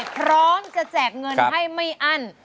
พร้อมจะแจกเงินให้ไม่อั้น